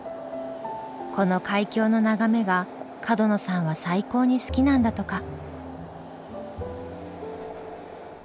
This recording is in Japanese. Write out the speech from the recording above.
この海峡の眺めが角野さんは最高に好きなんだとか。